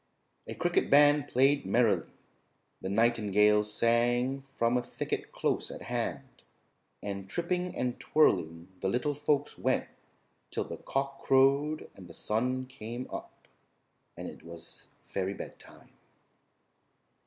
A cricket band played merrily, the nightingale sang from a thicket close at hand, and tripping and twirling the little folks went till the cock crowed and the sun came up; and it was fairy bedtime.